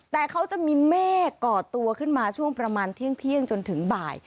แต่เขาจะมีเมฆก่อตัวขึ้นมาช่วงประมาณเที่ยงจนถึงบ่าย